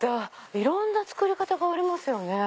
いろんな作り方がありますよね